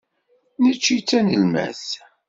Necci d tanelmadt.